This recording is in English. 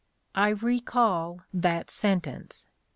I recall that sentence.